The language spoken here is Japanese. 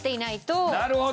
なるほど！